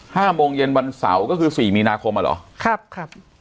ห้าโมงเย็นวันเสาร์ก็คือสี่มีนาคมอ่ะเหรอครับครับ